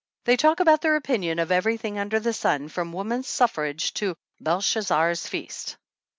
They talk about their opinion of every thing under the sun, from woman's suffrage to Belshazzar's feast."